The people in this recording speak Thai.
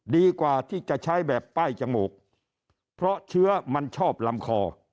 ดีกว่าที่จะใช้แบบป้ายจมูกเพราะเชื้อมันชอบลำคอ